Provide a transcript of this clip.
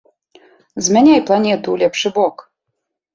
Змяняй планету ў лепшы бок!